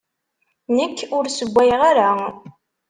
Nekk ur ssewwayeɣ ara.